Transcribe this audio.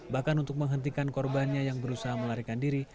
bahkan untuk menghentikan korbannya yang berusaha melarikan diri